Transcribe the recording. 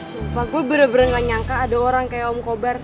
aku bener bener gak nyangka ada orang kayak om kobar